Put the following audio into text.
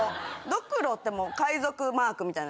ドクロってもう海賊マークみたいな。